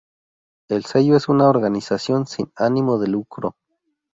El sello es una organización sin ánimo de lucro.